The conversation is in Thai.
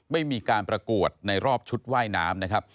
ไม่มีการประกวดในรอบชุดว่ายน้ำนะครับ